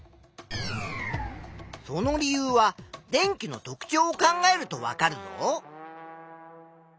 その理由は電気の特ちょうを考えるとわかるぞ。